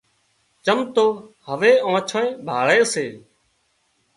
چم تو هوَي آنڇانئي ڀاۯي سي